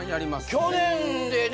去年でね